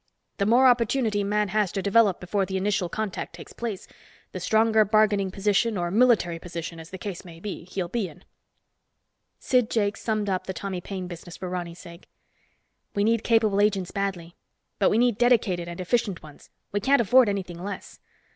The more opportunity man has to develop before the initial contact takes place, the stronger bargaining position, or military position, as the case may be, he'll be in." Sid Jakes summed up the Tommy Paine business for Ronny's sake. "We need capable agents badly, but we need dedicated and efficient ones. We can't afford anything less.